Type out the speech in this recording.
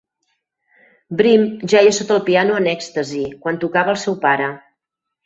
Bream jeia sota el piano en "èxtasi" quan tocava el seu pare.